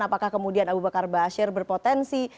apakah kemudian abu bakar ba'asyir berpotensi